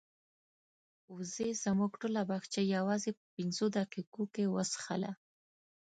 وزې زموږ ټوله باغچه یوازې په پنځو دقیقو کې وڅښله.